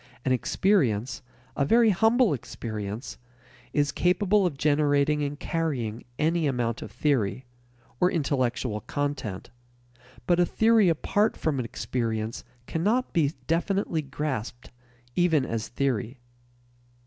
An experience, a very humble experience, is capable of generating and carrying any amount of theory (or intellectual content), but a theory apart from an experience cannot be definitely grasped even as theory.